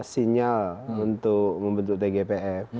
sinyal untuk membentuk tgpf